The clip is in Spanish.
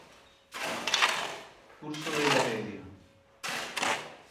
Curso de la Media.